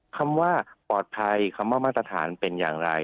คำว่าปลอดภัยคำว่ามาตรฐานเป็นอย่างไร